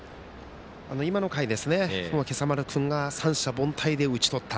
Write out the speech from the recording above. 今の回、今朝丸君が三者凡退で打ち取った。